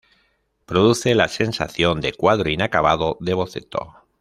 Produce la sensación de cuadro inacabado, de boceto.